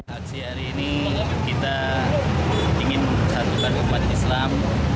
aksi hari ini kita ingin satu bagian umat islam